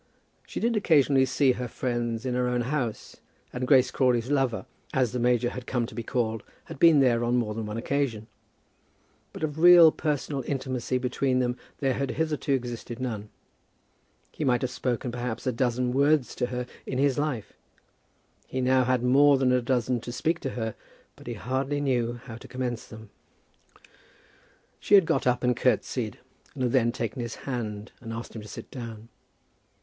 She did occasionally see her friends in her own house, and Grace Crawley's lover, as the major had come to be called, had been there on more than one occasion; but of real personal intimacy between them there had hitherto existed none. He might have spoken, perhaps, a dozen words to her in his life. He had now more than a dozen to speak to her, but he hardly knew how to commence them. She had got up and curtseyed, and had then taken his hand and asked him to sit down.